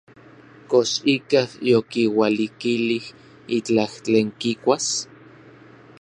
¿Kox ikaj yokiualikilij itlaj tlen kikuas?